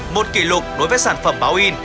một kỷ lục đối với sản phẩm báo in